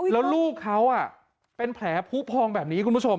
แล้วลูกเขาเป็นแผลผู้พองแบบนี้คุณผู้ชม